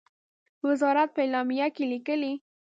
وزارت په اعلامیه کې لیکلی،